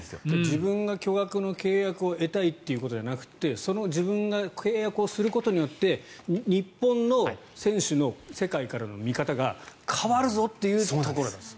自分が巨額の契約を得たいということじゃなくて自分が契約をすることによって日本の選手の世界からの見方が変わるぞというところなんです。